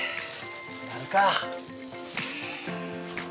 やるか。